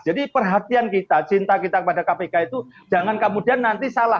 jadi perhatian kita cinta kita kepada kpk itu jangan kemudian nanti salah